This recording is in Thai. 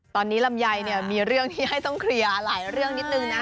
ตอนนี้ลำไยเนี่ยมีเรื่องที่ให้ต้องเคลียร์หลายเรื่องนิดนึงนะ